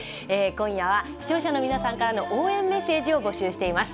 今夜は視聴者の皆さんからの応援メッセージを募集しています。